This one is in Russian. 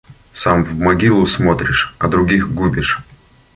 Сам в могилу смотришь, а других губишь.